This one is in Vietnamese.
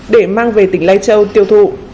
để mang về tỉnh lai châu tiêu thụ